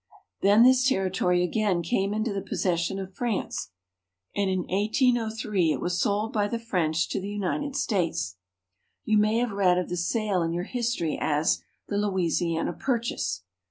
Then this terri tory again came into the possession of France, and in 1 803 it was sold by the French to the United States. You may have read of the sale in your history as the " Louisi ana purchase."